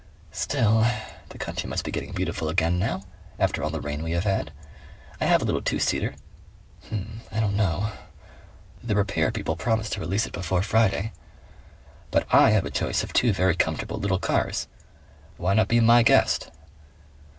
Still . The country must be getting beautiful again now, after all the rain we have had. I have a little two seater. I don't know.... The repair people promise to release it before Friday." "But I have a choice of two very comfortable little cars. Why not be my guest?"